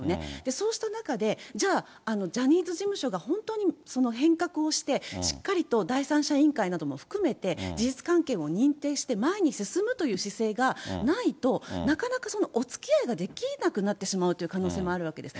そうした中で、じゃあ、ジャニーズ事務所が、本当に変革をして、しっかりと第三者委員会なども含めて事実関係を認定して、前に進むという姿勢がないと、なかなかそのおつきあいができなくなってしまうという可能性もあるわけです。